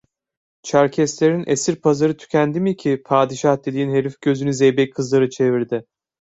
Çerkeslerin esir pazarı tükendi mi ki padişah dediğin herif gözünü zeybek kızlarına çevirdi?